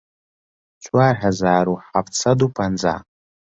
چوار هەزار و حەفت سەد و پەنجاو